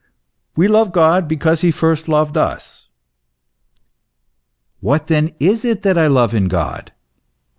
We love God because he first loved us." What, then, is it that I love in God ?